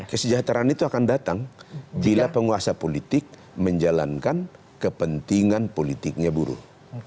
kesejahteraan itu akan datang bila penguasa politik menjalankan kepentingan politiknya buruh